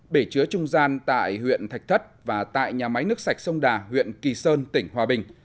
bể chứa trung gian tại huyện thạch thất và tại nhà máy nước sạch sông đà huyện kỳ sơn tỉnh hòa bình